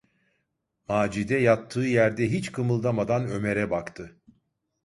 Macide yattığı yerde hiç kımıldamadan Ömer’e baktı.